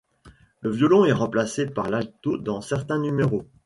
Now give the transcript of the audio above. Le violon est remplacé par l'alto dans certains numéros.